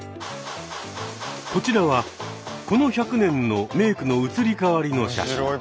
こちらはこの１００年のメークの移り変わりの写真。